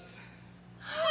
はい。